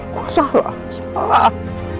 gua salah salah